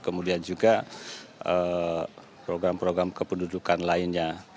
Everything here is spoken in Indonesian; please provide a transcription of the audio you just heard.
kemudian juga program program kependudukan lainnya